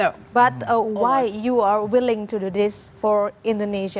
tapi kenapa kamu berani untuk melakukan ini untuk orang indonesia